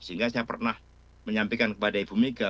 sehingga saya pernah menyampaikan kepada ibu mega